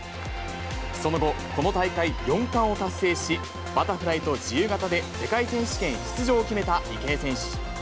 その後、この大会４冠を達成し、バタフライと自由形で世界選手権出場を決めた池江選手。